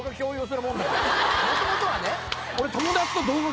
もともとはね。